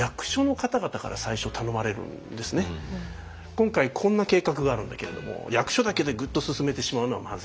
今回こんな計画があるんだけれども役所だけでグッと進めてしまうのはまずい。